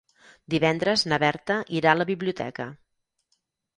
Divendres na Berta irà a la biblioteca.